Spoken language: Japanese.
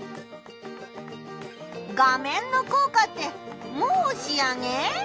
画面のこうかってもう仕上げ？